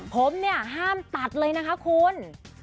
ผมเนี่ยห้ามตัดเลยนะคะคุณ